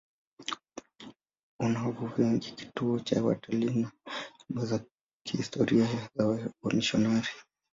Una wavuvi wengi, kituo cha watalii na nyumba za kihistoria za wamisionari.